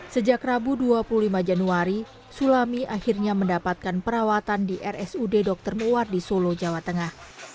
sejak rabu dua puluh lima januari sulami akhirnya mendapatkan perawatan di rsud dr muwar di solo jawa tengah